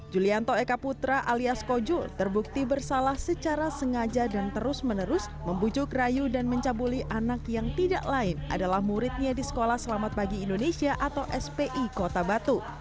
julianto eka putra alias kojul terbukti bersalah secara sengaja dan terus menerus membujuk rayu dan mencabuli anak yang tidak lain adalah muridnya di sekolah selamat bagi indonesia atau spi kota batu